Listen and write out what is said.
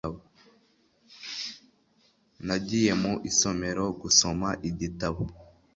Nagiye mu isomero gusoma igitabo.